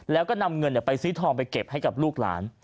แล้วก็นำเงินไปซื้อทองไปเก็บให้กับลูกหลาน